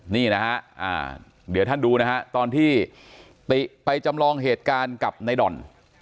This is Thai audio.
นี่นะฮะเดี๋ยวท่านดูนะฮะตอนที่ติไปจำลองเหตุการณ์กับในด่อน